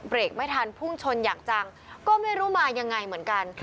ไม่ทันพุ่งชนอย่างจังก็ไม่รู้มายังไงเหมือนกัน